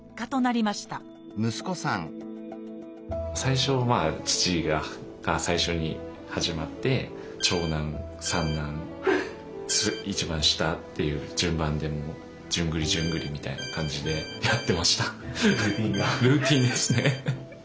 最初父が最初に始まって長男三男一番下っていう順番で順繰り順繰りみたいな感じでやってました。